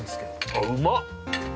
◆あ、うまっ！